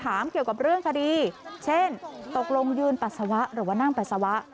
เกี่ยวกับเรื่องคดีเช่นตกลงยืนปัสสาวะหรือว่านั่งปัสสาวะ